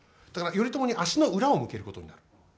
だから、頼朝に足の裏を向けることになる。